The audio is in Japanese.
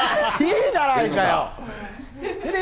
いいじゃないかよ！